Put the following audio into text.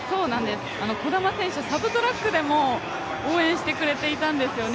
児玉選手はサブトラックでも応援してくれていたんですよね。